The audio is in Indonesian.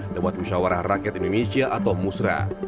lewat musyawarah rakyat indonesia atau musra